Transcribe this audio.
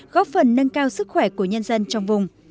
góp phần nâng cao sức khỏe của nhân dân trong vùng